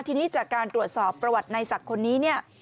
ทีนี้จากการตรวจสอบประวัติในศักดิ์คนนี้เนี่ย